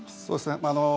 そうですね。